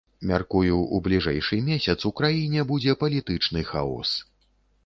Мяркую, у бліжэйшы месяц у краіне будзе палітычны хаос.